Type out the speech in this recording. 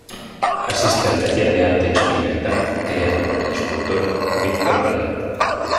Asiste al Taller de Arte Experimental creado por el escultor Víctor Valera.